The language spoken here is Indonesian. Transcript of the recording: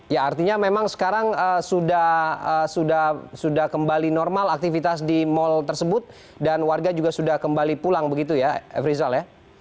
ya artinya memang sekarang sudah kembali normal aktivitas di mal tersebut dan warga juga sudah kembali pulang begitu ya f rizal ya